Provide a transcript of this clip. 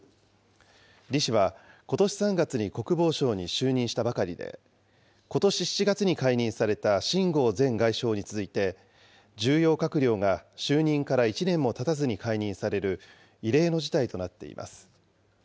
李氏は、ことし３月に国防相に就任したばかりで、ことし７月に解任された秦剛前外相に続いて、重要閣僚が就任から１年もたたずに解任される異例の事態となっています。